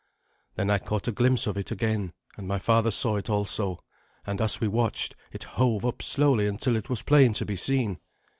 Then I caught a glimpse of it again, and my father saw it also, and, as we watched, it hove up slowly until it was plain to be seen.